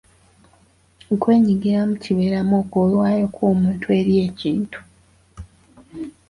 Okwenyigiramu kibeeramu okwewaayo kw'omuntu eri ekintu.